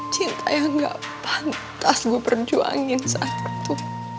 cinta yang gak pantas gue perjuangin satu